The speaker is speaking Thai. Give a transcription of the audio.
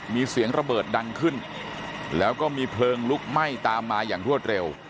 มีเสียงระเบิดดังขึ้นแล้วก็มีเพลิงลุกไหม้ตามมาอย่างรวดเร็ว